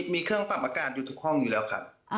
มีเครื่องปรับอากาศอยู่ทุกห้องอยู่แล้วครับ